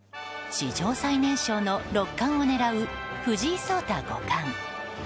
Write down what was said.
史上最年少の六冠を狙う藤井聡太五冠。